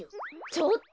ちょっと！